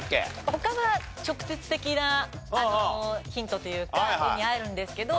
他は直接的なヒントというか絵にあるんですけど。